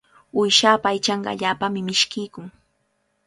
Uyshapa aychanqa allaapami mishkiykun.